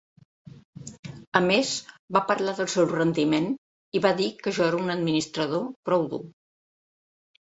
A més, va parlar del seu rendiment i va dir que jo era un administrador prou dur.